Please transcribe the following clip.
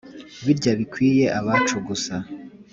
birya bikwiye abacu gusa